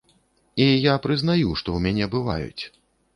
І я прызнаю, што ў мяне бываюць.